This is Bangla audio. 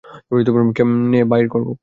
কেমনে বাইর করবো?